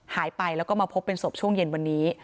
หายไปแล้วก็มาพบเป็นศพช่วงเย็นวันนี้